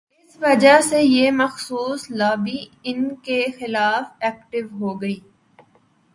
اس وجہ سے یہ مخصوص لابی ان کے خلاف ایکٹو ہو گئی۔